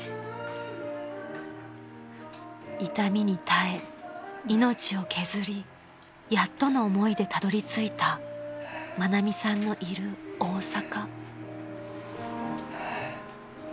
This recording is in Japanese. ［痛みに耐え命を削りやっとの思いでたどり着いた愛美さんのいる大阪］